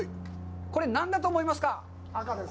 これは何だと思いますか？